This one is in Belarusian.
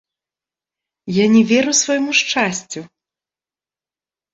Я не веру свайму шчасцю!